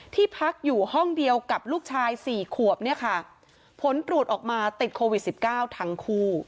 ที่พักอยู่ห้องเดียวกับลูกชายสี่ขวบเนี่ยค่ะผลตรวจออกมาติดโควิดสิบเก้าทั้งคู่